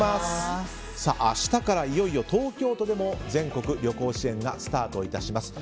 明日からいよいよ東京都でも全国旅行支援がスタートいたします。